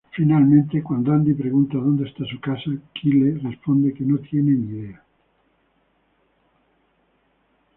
Finalmente, cuando Andy pregunta dónde está su casa, Kyle responde que no tiene idea.